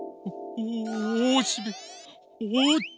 おっと。